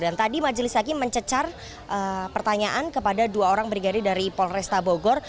dan tadi majelis hakim mencecar pertanyaan kepada dua orang brigadir dari polresta bogor